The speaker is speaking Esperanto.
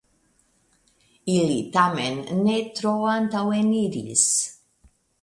Ili tamen ne tro antaŭeniris.